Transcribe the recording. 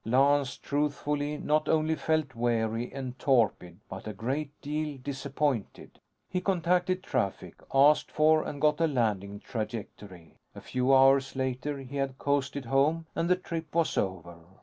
Lance, truthfully, not only felt weary and torpid, but a great deal disappointed. He contacted Traffic, asked for and got a landing trajectory. A few hours later, he had coasted home and the trip was over.